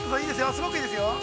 すごくいいですよ。